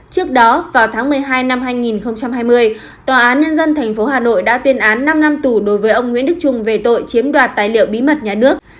trước đó vào tháng một mươi hai năm hai nghìn hai mươi tòa án nhân dân tp hà nội đã tuyên án năm năm tù đối với ông nguyễn đức trung về tội chiếm đoạt tài liệu bí mật nhà nước